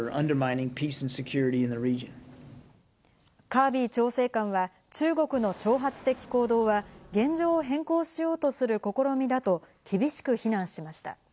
カービー調整官は、中国の挑発的行動は現状を変更しようとする試みだと厳しく非難しました。